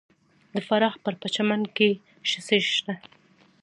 د فراه په پرچمن کې څه شی شته؟